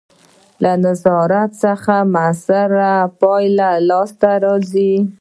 له نظارت څخه مؤثره پایله لاسته راځي.